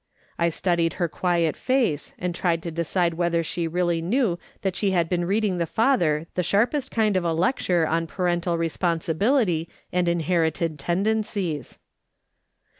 I studied her quiet face, and tried to decide whether she reallv knew that *'SOME THINGS IS QUEER:* 59 she had been reading the father the sharpest kind of a lecture on parental responsibility and inherited tendencies.